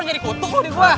lu jadi kutuk loh di gua